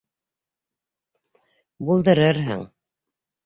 Булдырырһың.